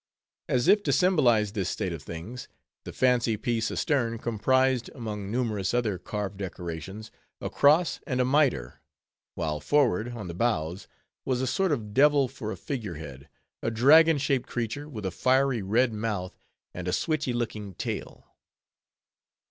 As if to symbolize this state of things, the "fancy piece" astern comprised, among numerous other carved decorations, a cross and a miter; while forward, on the bows, was a sort of devil for a figure head—a dragon shaped creature, with a fiery red mouth, and a switchy looking tail.